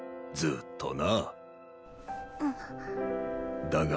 ずっとな。